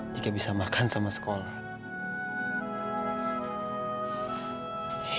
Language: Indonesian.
jika bisa makan sama sekolah